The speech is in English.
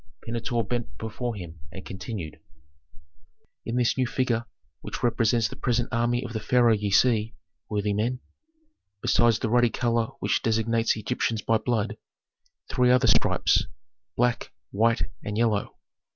Pentuer bent before him and continued, "In this new figure which represents the present army of the pharaoh ye see, worthy men, besides the ruddy color which designates Egyptians by blood, three other stripes, black, white, and yellow.